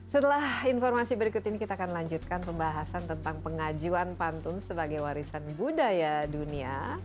setelah informasi berikut ini kita akan lanjutkan pembahasan tentang pengajuan pantun sebagai warisan budaya dunia